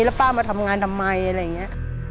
แล้วป้ามาทำงานทำไมอะไรอย่างนี้